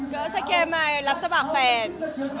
ก็สแกนมารับสมัครแฟน